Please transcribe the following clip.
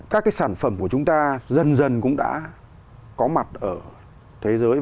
các cái sản phẩm của chúng ta dần dần cũng đã có mặt ở thế giới